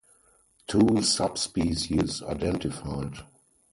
Two subspecies identified.